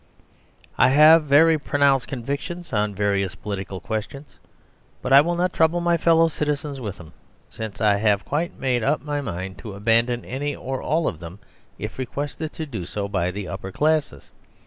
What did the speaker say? I have very pronounced convictions on various political questions; but I will not trouble my fellow citizens with them, since I have quite made up my mind to abandon any or all of them if requested to do so by the upper classes.